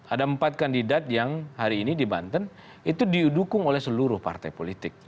ada empat kandidat yang hari ini di banten itu didukung oleh seluruh partai politik